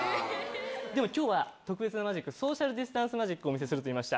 でも今日は特別なマジックソーシャルディスタンスマジックをお見せすると言いました。